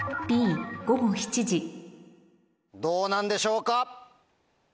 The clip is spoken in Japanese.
どうなんでしょうか？